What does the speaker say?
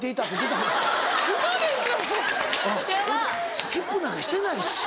スキップなんかしてないし。